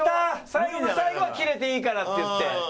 最後の最後はキレていいからって言って。